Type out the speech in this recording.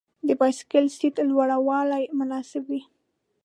د بایسکل سیټ لوړوالی مناسب وي.